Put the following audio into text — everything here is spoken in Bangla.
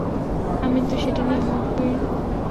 আমি তো সেটা নিয়ে অমত করিনি!